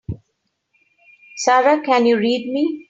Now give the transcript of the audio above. Sara can you read me?